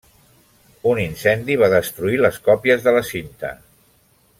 Un incendi va destruir les còpies de la cinta.